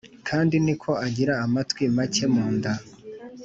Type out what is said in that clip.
kandi ni ko agira amatwi make munda